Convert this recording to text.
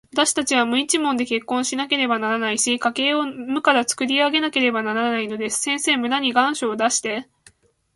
わたしたちは無一文で結婚しなければならないし、家計を無からつくり上げなければならないのです。先生、村に願書を出して、